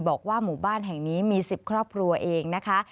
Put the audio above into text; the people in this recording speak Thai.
บอกว่าหมู่บ้านแห่งนี้มี๑๐ครอบครัวเองนะคะ